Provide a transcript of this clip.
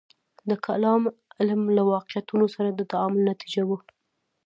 د کلام علم له واقعیتونو سره د تعامل نتیجه وه.